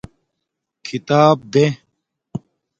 کھیتاپ دے